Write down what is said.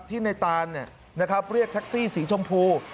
ที่ในตานเนี่ยนะครับเรียกแท็กซี่สีชมพู